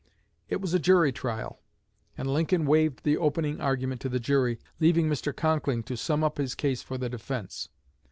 It was a jury trial, and Lincoln waived the opening argument to the jury, leaving Mr. Conkling to sum up his case for the defense.